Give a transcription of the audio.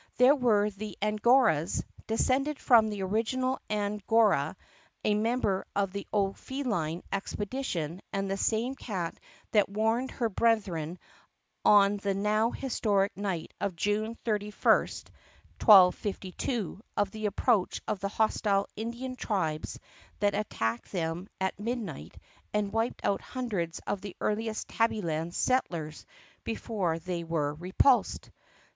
There were the Angoras, descended from the original Anne Gora, a member of the O'Feeline expedition and the same cat that warned her brethren on the now historic night of June 31, 1252, of the approach of the hostile Indian tribes that attacked them at midnight and wiped out hundreds of the earliest Tabbyland settlers before they were repulsed.